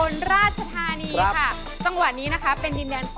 มันไม่ใช่รถตุ๊ก